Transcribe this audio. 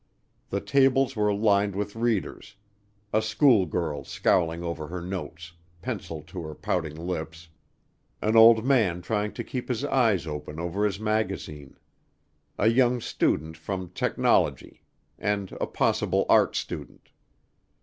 The tables were lined with readers; a schoolgirl scowling over her notes, pencil to her pouting lips, an old man trying to keep his eyes open over his magazine, a young student from Technology, and a possible art student.